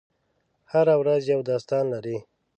هره ورځ یو داستان لري.